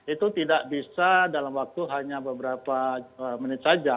itu tidak bisa dalam waktu hanya beberapa menit saja